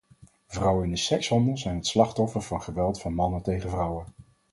Vrouwen in de sekshandel zijn het slachtoffer van geweld van mannen tegen vrouwen.